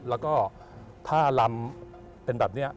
แล้วก็ถ้าลำเป็นแบบนี้